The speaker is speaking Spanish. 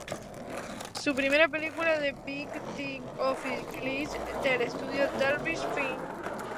Su primera película fue "Big Tit Office Chicks", del estudio Devil's Films.